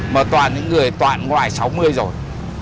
mà toàn những người toàn ngoài sáu mươi rồi